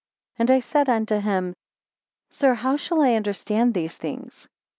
12 And I said unto him, Sir, how shall I understand these things?